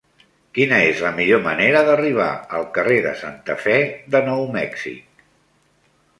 Quina és la millor manera d'arribar al carrer de Santa Fe de Nou Mèxic?